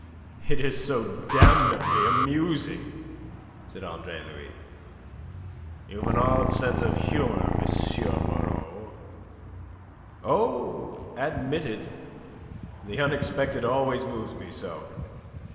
"It is so damnably amusing," said Andre Louis. "You've an odd sense of humour, M. Moreau." "Oh, admitted. The unexpected always moves me so.